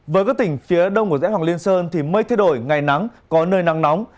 với các tỉnh phía đông của dãy hoàng liên sơn thì mây thay đổi ngày nắng có nơi nắng nóng